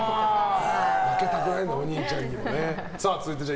負けたくないんだお兄ちゃんにも。